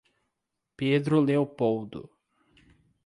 Pedro Leopoldo